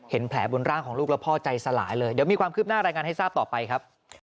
แผลบนร่างของลูกแล้วพ่อใจสลายเลยเดี๋ยวมีความคืบหน้ารายงานให้ทราบต่อไปครับ